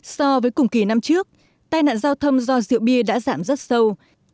so với cùng kỳ năm trước tai nạn giao thông do rượu bia đã giảm rất sâu